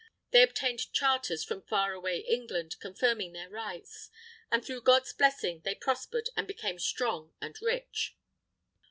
They obtained charters from far away England, confirming their rights. And through God's blessing they prospered, and became strong and rich.